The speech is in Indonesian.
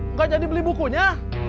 enggak jadi beli bukunya